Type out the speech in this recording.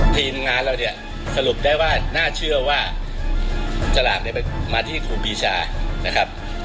ทีมงานเราเนี่ยสรุปได้ว่าน่าเชื่อว่าสลากเนี่ยมาที่ครูปีชานะครับ